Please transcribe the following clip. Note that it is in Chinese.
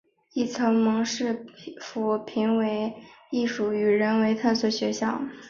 亦曾蒙市府评为艺术与人文特色学校。